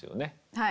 はい。